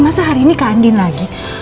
masa hari ini ke andin lagi